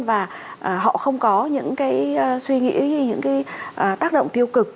và họ không có những cái suy nghĩ những cái tác động tiêu cực